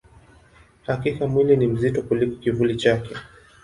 Hakika, mwili ni mzito kuliko kivuli chake.